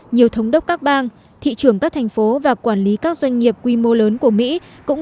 nhiều thống đốc các bang thị trưởng các thành phố và quản lý các doanh nghiệp quy mô lớn của mỹ cũng